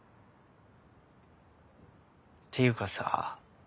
ていうかさ。